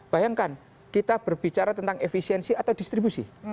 bayangkan kita berbicara tentang efisiensi atau distribusi